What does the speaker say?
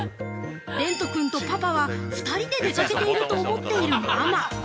蓮人君とパパは、二人で出かけていると思っているママ。